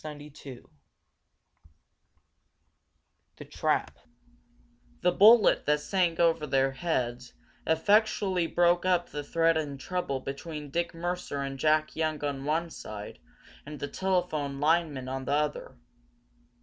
CHAPTER XIV THE TRAP The bullet that sang over their heads effectually broke up the threatened trouble between Dick Mercer and Jack Young on one side, and the telephone linemen on the other.